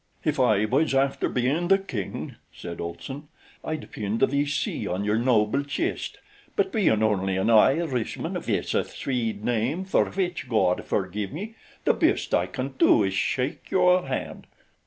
"If I was after bein' the king," said Olson, "I'd pin the V.C. on your noble chist; but bein' only an Irishman with a Swede name, for which God forgive me, the bist I can do is shake your hand."